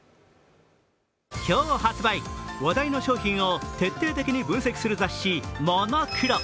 今日発売、話題の商品を徹底的に分析する雑誌「ＭＯＮＯＱＬＯ」。